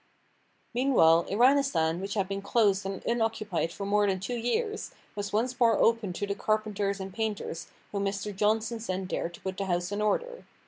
Meanwhile, Iranistan which had been closed and unoccupied for more than two years, was once more opened to the carpenters and painters whom Mr. Johnson sent there to put the house in order.